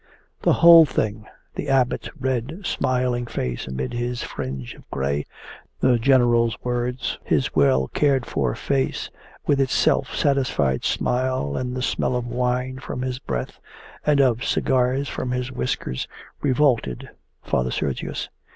The whole thing the Abbot's red, smiling face amid its fringe of grey, the general's words, his well cared for face with its self satisfied smile and the smell of wine from his breath and of cigars from his whiskers revolted Father Sergius.